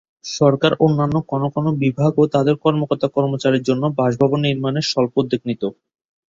সরকারের অন্যান্য কোনো কোনো বিভাগও তাদের কর্মকর্তা-কর্মচারীর জন্য বাসভবন নির্মাণের স্বল্প উদ্যোগ নিত।